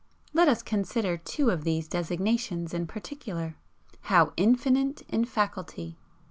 Let us consider two of these designations in particular: 'How infinite in faculty!'